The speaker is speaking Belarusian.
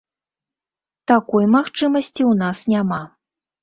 Такой магчымасці ў нас няма.